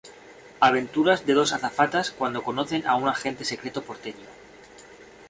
Aventuras de dos azafatas cuando conocen a un agente secreto porteño.